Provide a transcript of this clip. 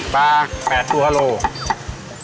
ปลา๘ตัวโลกรัม